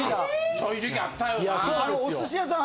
そういう時期あったよな。